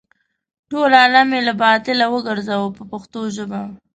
ټول عالم یې له باطله وګرځاوه په پښتو ژبه.